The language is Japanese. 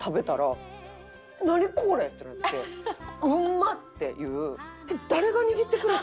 これ！ってなってうまっ！っていう。